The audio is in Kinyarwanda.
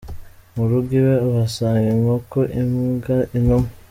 Mu rugo iwe uhasanga inkoko, imbwa, inuma.